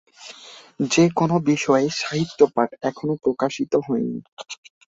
যেকোনো বিষয়ের কোন সাহিত্য পাঠ এখনও প্রকাশিত হয়নি।